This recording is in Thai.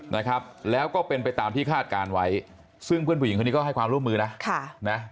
นะครับแล้วก็เป็นไปตามที่คาดการณ์ไว้ซึ่งเพื่อนผู้หญิงคนนี้ก็ให้ความร่วมมือนะค่ะนะ